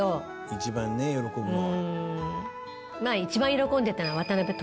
「一番ね喜ぶのは」